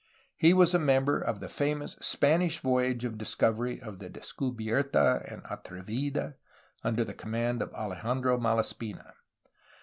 He was a member of the famous Spanish voyage of discovery of the Descuhierta and Atrevida, under the command of Alejandro Malaspina.